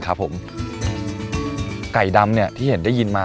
ไก่ดำที่เห็นได้ยินมา